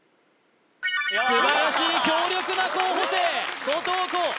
素晴らしい強力な候補生後藤弘